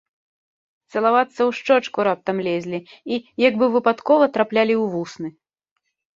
Цалавацца ў шчочку раптам лезлі і, як бы выпадкова, траплялі ў вусны.